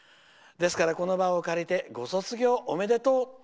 ですから、この場を借りてご卒業おめでとう。